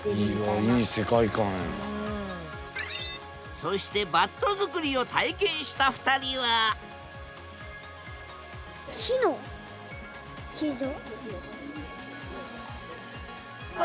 そしてバット作りを体験した２人はわ！